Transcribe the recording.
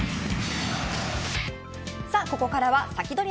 ここからはサキドリ！